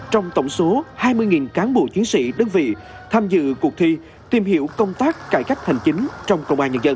trong tổng số hai mươi cán bộ chiến sĩ đơn vị tham dự cuộc thi tìm hiểu công tác cải cách hành chính trong công an nhân dân